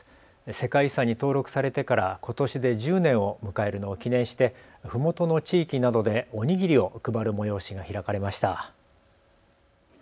世界遺産に登録されてからことしで１０年を迎えるのを記念してふもとの地域などでおにぎりを配る催しが開かれました。